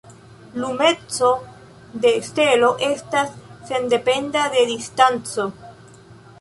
Lumeco de stelo estas sendependa de distanco.